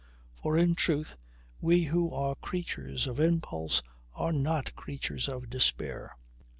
For in truth we who are creatures of impulse are not creatures of despair.